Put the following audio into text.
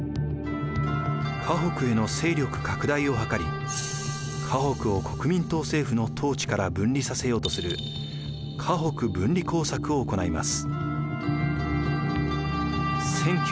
華北への勢力拡大をはかり華北を国民党政府の統治から分離させようとする華北分離工作を行います。